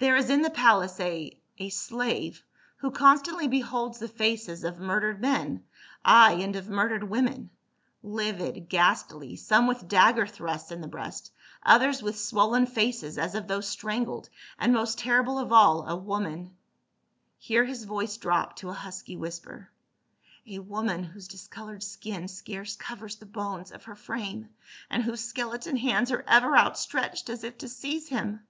There is in the palace a — a slave who constantly beholds the faces of murdered men, ay, and of murdered women — livid, ghastly, some with dagger thrusts in the breast, others with swollen faces as of those strangled, and most terrible of all, a woman —" here his voice dropped to a husky whisper, "a woman whose discolored skin scarce covers the bones of her frame, and whose skeleton hands are ever outstretched as if to seize him